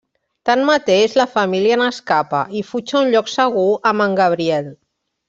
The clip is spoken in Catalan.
Tanmateix, la família n'escapa i fuig a un lloc segur amb en Gabriel.